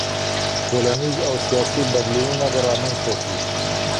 ټولنيز او سياسي بدلونونه به رامنځته سي.